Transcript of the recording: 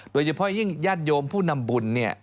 โดยเฉพาะยิ่งญาติโยมผู้นำบุญเนี่ย